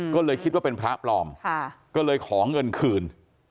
ก็เลยคิดว่าเป็นพระปลอมก็เลยขอเงินคืน